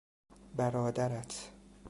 برادرت